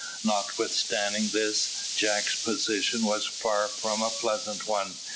Notwithstanding this, Jack's position was far from a pleasant one.